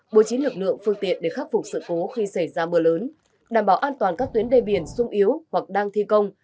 bố trí lực lượng phương tiện để khắc phục sự cố khi xảy ra mưa lớn đảm bảo an toàn các tuyến đê biển sung yếu hoặc đang thi công